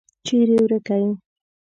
چیري ورکه یې ؟